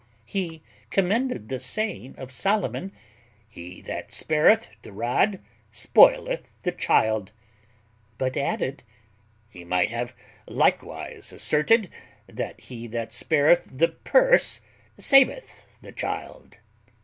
He commended the saying of Solomon, "He that spareth the rod spoileth the child;" but added, "he might have likewise asserted, That he that spareth the purse saveth the child."